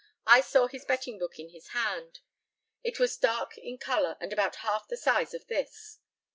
I saw his betting book in his hand. It was dark in colour, and about half the size of this.